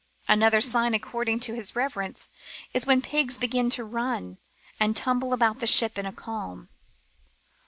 Another sign, according to his reverence, is when pigs begin to run and tumble about a ship in a calm.